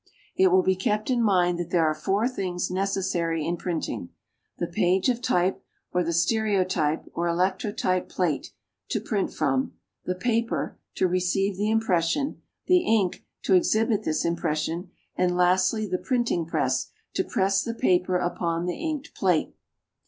It will be kept in mind that there are four things necessary in printing, the page of type, or the stereotype or electrotype plate, to print from; the paper, to receive the impression; the ink, to exhibit this impression; and lastly the printing press to press the paper upon the inked plate.